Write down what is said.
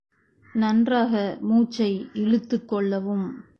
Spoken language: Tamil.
நன்றாக மூச்சை இழுத்துக்கொள்ளவும்.